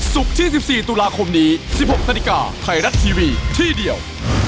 ศุกร์ที่๑๔ตุลาคมนี้๑๖นไทยรัชทีวีที่เดียว